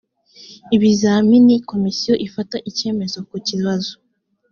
ibizamini komisiyo ifata icyemezo ku kibazo